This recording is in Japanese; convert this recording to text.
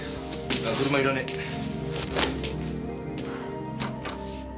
ああ車いらねえ。